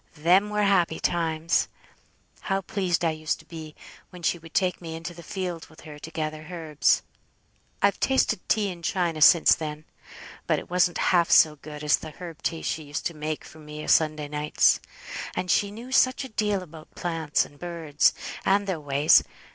Them were happy times! How pleased I used to be when she would take me into the fields with her to gather herbs! I've tasted tea in China since then, but it wasn't half so good as the herb tea she used to make for me o' Sunday nights. And she knew such a deal about plants and birds, and their ways!